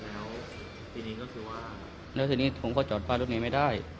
แล้วทีนี้ก็คือว่าแล้วทีนี้ผมก็จอดป้ายรถเมย์ไม่ได้